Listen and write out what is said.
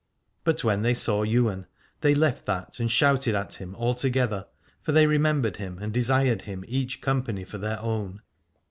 But when they saw Ywain they left that and shouted at him all together, for they remembered him and desired him each company for their own.